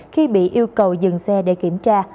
thì yêu cầu dừng xe để kiểm tra